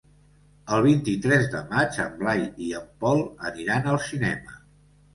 El vint-i-tres de maig en Blai i en Pol aniran al cinema.